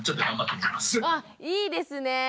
あいいですね。